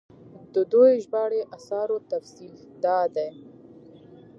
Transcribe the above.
د دوي ژباړلي اثارو تفصيل دا دی